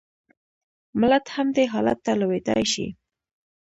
ملت هم دې حالت ته لوېدای شي.